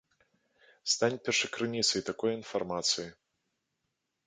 Стань першакрыніцай такой інфармацыі.